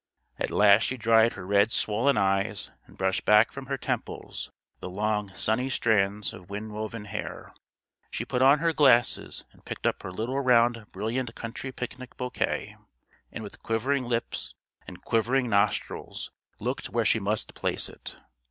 At last she dried her red swollen eyes and brushed back from her temples the long sunny strands of wind woven hair; she put on her glasses and picked up her little round brilliant country picnic bouquet; and with quivering lips and quivering nostrils looked where she must place it.